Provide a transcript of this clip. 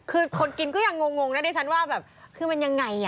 คือคนกินก็ยังงงนะดิฉันว่าแบบคือมันยังไง